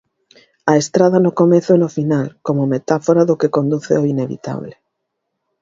A estrada no comezo e no final como metáfora do que conduce ao inevitable.